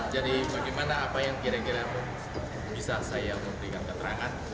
jadi bagaimana apa yang kira kira bisa saya memberikan keterangan